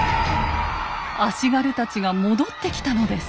足軽たちが戻ってきたのです。